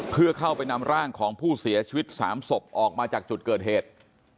เพื่อเข้าไปนำร่างของผู้เสียชีวิต๓ศพออกมาจากจุดเกิดเหตุ